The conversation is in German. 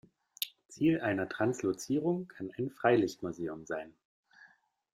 Ziel einer Translozierung kann ein Freilichtmuseum sein.